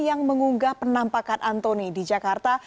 yang mengunggah penampakan antoni di jakarta